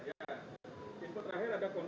ada masalah jack pump